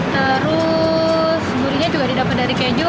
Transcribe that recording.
terus gurinya juga didapat dari keju